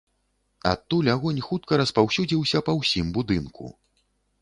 Адтуль агонь хутка распаўсюдзіўся па ўсім будынку.